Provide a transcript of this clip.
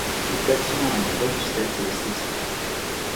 Le bâtiment allie robustesse et esthétique.